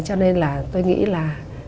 cho nên là tôi nghĩ là